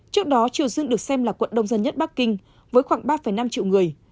trước đó triều dương được xem là quận đông dân nhất bắc kinh với khoảng ba năm triệu người